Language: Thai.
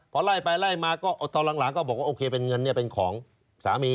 พอไล่ไปไล่มาก็ตอนหลังก็บอกว่าโอเคเป็นเงินเป็นของสามี